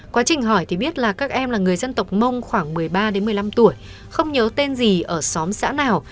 quá trình hỏi thì biết là các em là người dân tộc mông khoảng một mươi ba một mươi năm tuổi không nhớ tên gì ở xóm xã nào